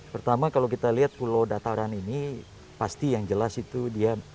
pertama kalau kita lihat pulau dataran ini pasti yang jelas itu dia